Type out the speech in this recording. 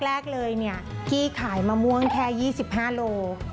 แรกเลยเนี่ยกี้ขายมะม่วงแค่๒๕ก์โลกพิคะ